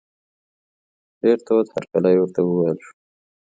ډېر تود هرکلی ورته وویل شو.